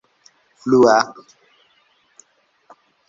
flua